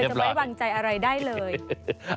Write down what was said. ไม่เคยจะไปวางใจอะไรได้เลย